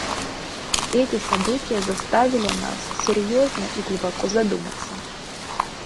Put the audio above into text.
Эти события заставили нас серьезно и глубоко задуматься.